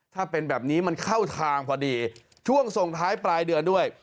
ถ้าเป็นแบบนี้มันเข้าทางพอดีช่วงส่งท้ายปลายเดือนด้วย